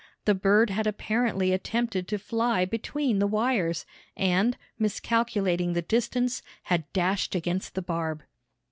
The bird had apparently attempted to fly between the wires and, miscalculating the distance, had dashed against the barb.